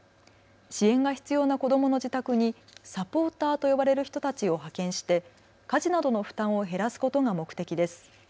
支援が必要な子どもの自宅にサポーターと呼ばれる人たちを派遣して家事などの負担を減らすことが目的です。